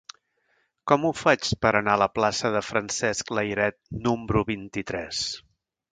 Com ho faig per anar a la plaça de Francesc Layret número vint-i-tres?